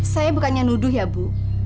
saya bukannya nuduh ya bu